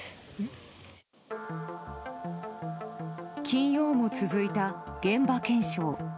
金曜も続いた現場検証。